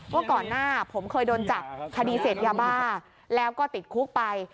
ว่าก่อนหน้าผมเคยโดนจับคดีเสพยาบ้าแล้วก็ติดคุกไป